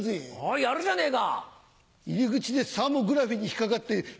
やるじゃねえか！